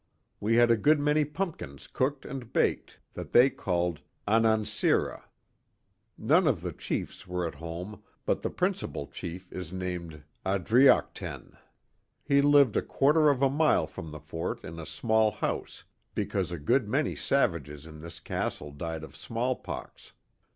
We had a good many pumpkins cooked and baked, that they called anansira. None of the chiefs were at home, but the principal chief is named Adriochten. He lived a quarter of a mile from the fort in a small house, because a good many savages in this Castle died of smallpox.